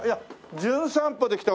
『じゅん散歩』で来た